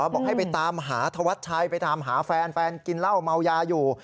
บอกให้ไปตามหาธวัชชัยไปตามหาแฟนแฟนกินเหล้าเมายาอยู่